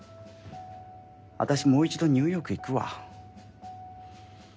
あたしもう一度ニューヨーク行くわ。